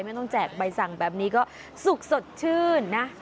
ต้องแจกใบสั่งแบบนี้ก็สุกสดชื่นนะ